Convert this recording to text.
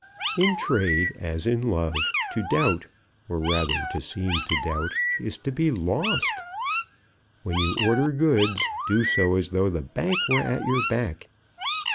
In trade as in love, to doubt, or rather, to seem to doubt, is to be lost. When you order goods, do so as though the bank were at your back.